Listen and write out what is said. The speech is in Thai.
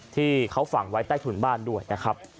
ที่เขาฝังไว้ใต้ถุนบ้านด้วยนะครับ